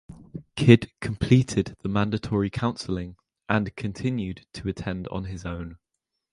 Kidd completed the mandatory counseling and continued to attend on his own.